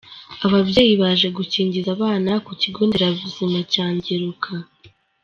Ababyeyi baje gukingiza abana ku ikigo nderabuzima cya Ngeruka.